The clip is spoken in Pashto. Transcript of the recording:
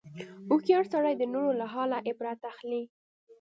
هوښیار سړی د نورو له حاله عبرت اخلي.